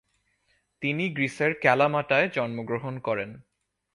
তিনি গ্রিসের ক্যালামাটায় জন্মগ্রহণ করেন।